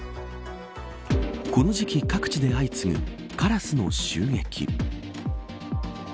この時期、各地で相次ぐカラスの襲撃。